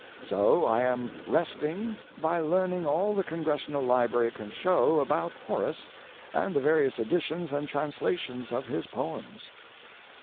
So I am resting by learning all the Congressional Library can show about Horace and the various editions and translations '" of his poems.